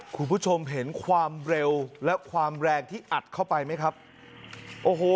คุณผู้ชมเห็นความเร็วและความแรงที่อัดเข้าไปไหมครับโอ้โห